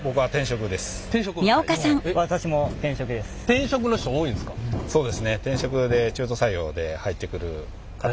転職の人多いんですか？